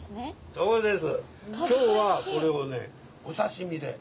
そうです。